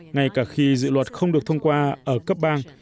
ngay cả khi dự luật không được thông qua ở cấp bang